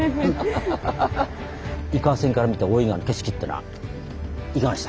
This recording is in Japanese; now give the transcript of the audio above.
井川線から見た大井川の景色っていうのはいかがでした？